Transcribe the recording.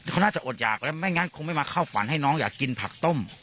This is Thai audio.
เขาน่าจะอดหยากแล้วไม่งั้นคงไม่มาเข้าฝันให้น้องอยากกินผักต้ม